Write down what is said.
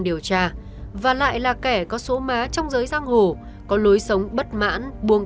để truy bắt đối tượng